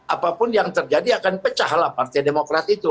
apapun yang terjadi akan pecahlah partai demokrat itu